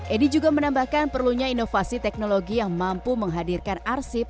edi juga menambahkan perlunya inovasi teknologi yang mampu menghadirkan arsip